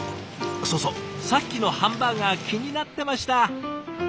そうそうさっきのハンバーガー気になってました。